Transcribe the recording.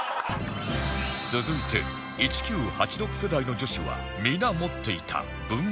続いて１９８６世代の女子は皆持っていた文房具